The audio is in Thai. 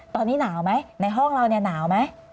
ตอนนี้หนาวไหมในห้องเราเนี่ยหนาวไหม